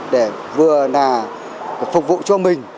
để vừa là phục vụ cho mình